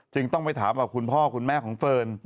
ต้องไปถามกับคุณพ่อคุณแม่ของเฟิร์น